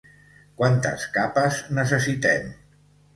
Quantes capes necessitem?